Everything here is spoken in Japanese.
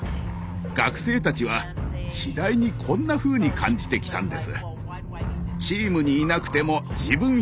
学生たちは次第にこんなふうに感じてきたんです。